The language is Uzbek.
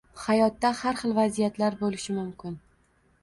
Hayotda har xil vaziyatlar boʻlishi mumkin.